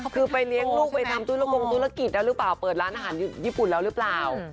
คือไปเลี้ยงลูกไปทำธุรกงธุรกิจแล้วหรือเปล่าเปิดร้านอาหารญี่ปุ่นแล้วหรือเปล่า